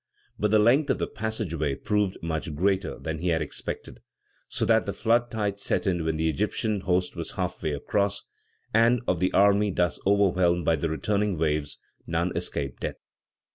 But the length of the passage proved much greater than he had expected; so that the flood tide set in when the Egyptian host was halfway across, and, of the army thus overwhelmed by the returning waves, none escaped death.